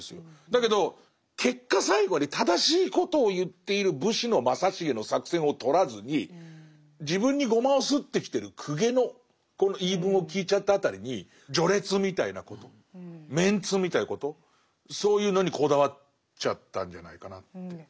だけど結果最後まで正しいことを言っている武士の正成の作戦を取らずに自分にごまをすってきてる公家のこの言い分を聞いちゃった辺りに序列みたいなことメンツみたいなことそういうのにこだわっちゃったんじゃないかなって。